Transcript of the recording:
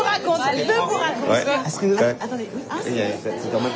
あ待って。